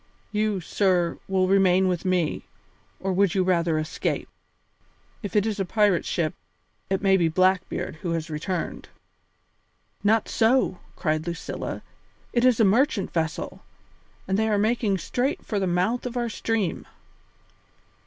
You, sir, will remain with me, or would you rather escape? If it is a pirate ship, it may be Blackbeard who has returned." "Not so," cried Lucilla, "it is a merchant vessel, and they are making straight for the mouth of our stream."